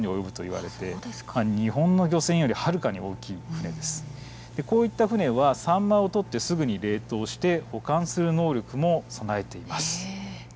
これらの船はサンマを取ってすぐに冷凍して保管する能力も備えています。